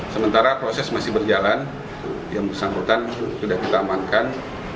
sementara proses masih berjalan yang bersangkutan sudah kita amankan